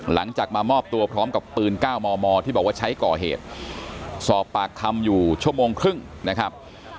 หลังจากมามอบตัวพร้อมกับปืน๙มมที่บอกว่าใช้ก่อเหตุสอบปากคำอยู่ชั่วโมงครึ่งนะครับ